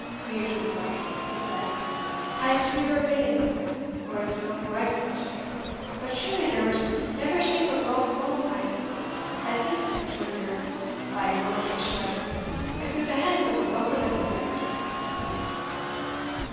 "Weel, gudewife," he said, "I'se do your bidding, or it's no be my fault. But surely there was never sic a braw propine as this sent to a yerl by an auld fishwife, and through the hands of a gaberlunzie beggar."